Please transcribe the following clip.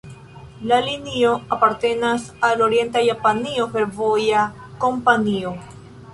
La linio apartenas al Orienta-Japania Fervoja Kompanio.